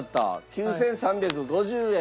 ９３５０円。